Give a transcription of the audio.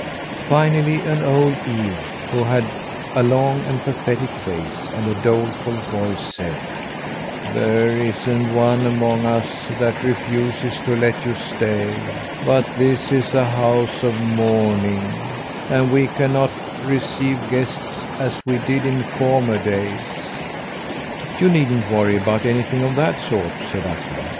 Finally an old ewe, who had a long and pathetic face and a doleful voice, said: "There isn't one among us that refuses to let you stay; but this is a house of mourning, and we cannot receive guests as we did in former days." "You needn't worry about anything of that sort," said Akka.